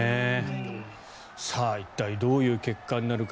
一体どういう結果になるか。